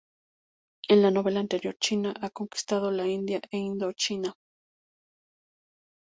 En la novela anterior, China ha conquistado la India e Indochina.